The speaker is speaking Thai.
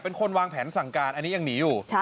เป็นคนวางแผนสั่งการอันนี้ยังหนีอยู่